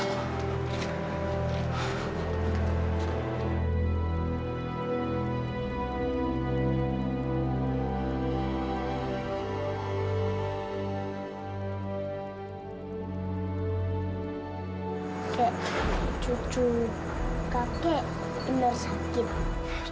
kek cucu kakek tidak sakit